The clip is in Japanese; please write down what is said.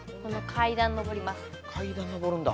階段のぼるんだ